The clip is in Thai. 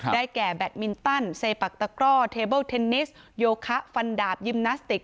แก่แบตมินตันเซปักตะกร่อเทเบิลเทนนิสโยคะฟันดาบยิมนาสติก